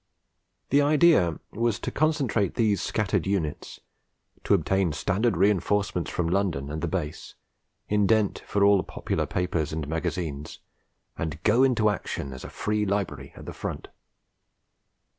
The idea was to concentrate these scattered units, to obtain standard reinforcements from London and the base, indent for all the popular papers and magazines, and go into action as a Free Library at the Front.